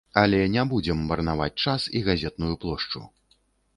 Але не будзем марнаваць час і газетную плошчу.